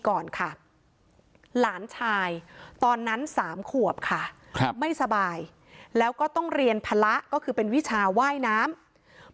ว่า๒๑วา้ยน้ำต้องเรียนเต็มขาวที่โรงอาหารแต่น้องไม่สบายค่ะเด็กชายสามขวบนะคะน้องอวกใส่จานข้าวของตัวเอง